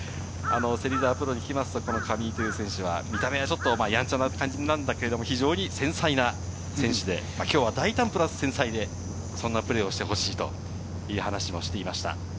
芹澤プロに聞くと、上井という選手は見た目はやんちゃな感じなんだけれども、非常に繊細な選手で、きょうは大胆プラス、繊細でそんなプレーをしてほしいと話していました。